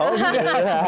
oh gitu ya